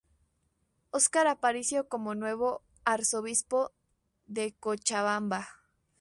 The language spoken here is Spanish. Oscar Aparicio como nuevo Arzobispo de Cochabamba.